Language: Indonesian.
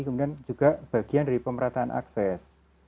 kemudian juga bagian dari pemerataan akses